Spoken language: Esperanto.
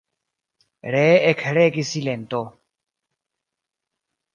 Ree ekregis silento.